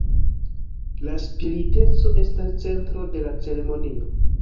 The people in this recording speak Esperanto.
La spiriteco estas centro de la ceremonio.